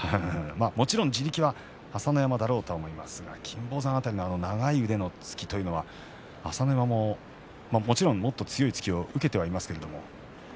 もちろん地力は朝乃山だと思いますが金峰山の長い腕の突きというのは朝乃山ももちろんもっと強い突きを受けてはいますけれども。